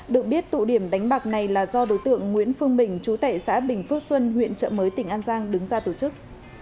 được biết tụ điểm đánh bạc này là do đối tượng nguyễn phương bình chú tệ xã bình phước xuân huyện trợ mới tỉnh an giang đứng ra tổ chức